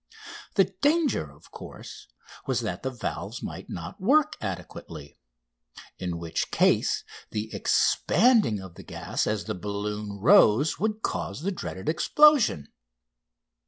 The danger, of course, was that the valves might not work adequately, in which case the expanding of the gas as the balloon rose would cause the dreaded explosion.